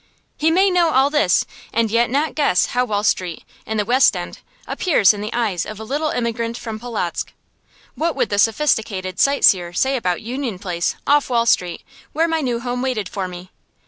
He may know all this and yet not guess how Wall Street, in the West End, appears in the eyes of a little immigrant from Polotzk. What would the sophisticated sight seer say about Union Place, off Wall Street, where my new home waited for me?